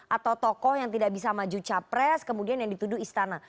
atau tokoh yang tidak bisa maju capres kemudian yang dituduh istana